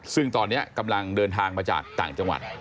ซึ่งตอนนี้กำลังเดินทางมาจากต่างจังหวัด